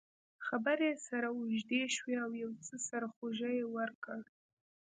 خبرې یې سره اوږدې شوې او یو څه سرخوږی یې ورکړ.